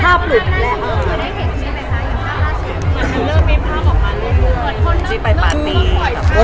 อย่างที่เราเริ่มบีบภาพเหล่ะ